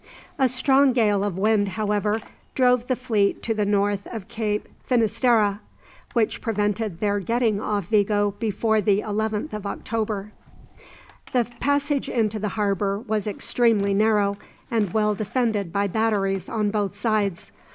A strong gale of wind, however, drove the fleet to the north of Cape Finisterre, which prevented their getting off Vigo before the 11th of October. The passage into the harbour was extremely narrow, and well defended by batteries on both sides.